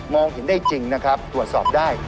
เห็นได้จริงนะครับตรวจสอบได้